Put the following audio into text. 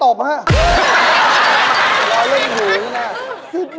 อาหารการกิน